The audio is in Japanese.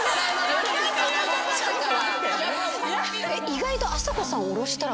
意外と。